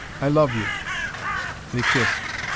I love you!" They kissed.